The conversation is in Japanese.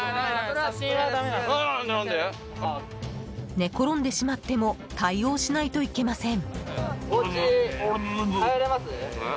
寝転んでしまっても対応しないといけません。